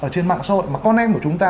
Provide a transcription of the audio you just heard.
trên mạng xã hội mà con em của chúng ta